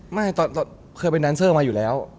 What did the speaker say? ไม่เตอร์ท่อเคยเป็นแดนซ์เซอร์มาอยู่แล้ว